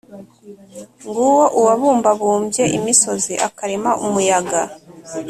Nguwo Uwabumbabumbye imisozi, akarema umuyaga,